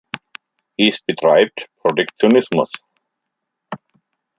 Es betreibt Protektionismus.